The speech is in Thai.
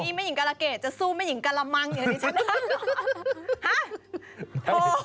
นี่แม่หญิงกระละเกดจะสู้แม่หญิงกระละมังอยู่ในชั้นนั้นหรอ